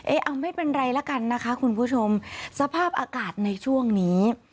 เอาไม่เป็นไรละกันนะคะคุณผู้ชมสภาพอากาศในช่วงนี้